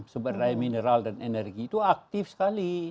superdai mineral dan energi itu aktif sekali